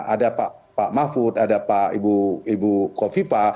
ada pak mahfud ada pak ibu kofifa